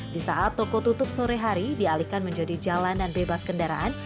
di saat toko tutup sore hari dialihkan menjadi jalanan bebas kendaraan